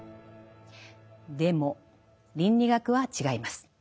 でも倫理学は違います。